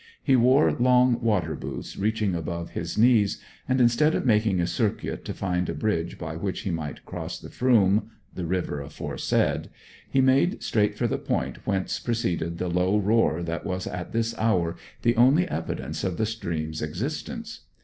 He wore long water boots reaching above his knees, and, instead of making a circuit to find a bridge by which he might cross the Froom the river aforesaid he made straight for the point whence proceeded the low roar that was at this hour the only evidence of the stream's existence.